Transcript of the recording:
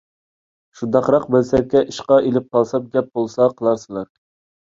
شۇنداقراق مەنسەپكە ئىشقا ئېلىپ قالسام گەپ بولسا قىلارسىلەر.